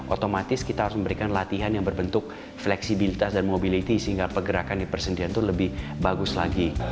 otomatis kita harus memberikan latihan yang berbentuk fleksibilitas dan mobility sehingga pergerakan di persendian itu lebih bagus lagi